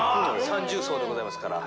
三重奏でございますから。